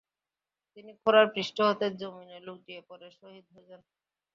তিনি ঘোড়ার পৃষ্ঠ হতে জমিনে লুটিয়ে পড়ে শহীদ হয়ে যান।